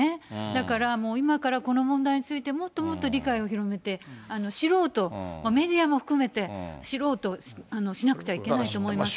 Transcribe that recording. だからもう、今からこの問題についてもっともっと理解を広めて知ろうと、メディアも含めて、知ろうとしなくちゃいけないと思います。